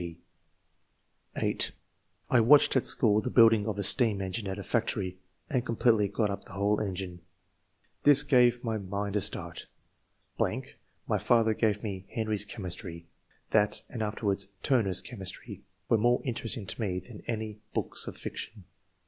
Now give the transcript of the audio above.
(g) (8) " I watched, at school, the building of a steam engine at a factory, and completely got up the whole engine. This gave my mind a start. .... My father gave me ' Henry's Chemistry ;' that, and afterwards ' Turner's Chemistry,' were more interesting to me than any books of fiction.